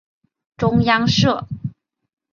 中央社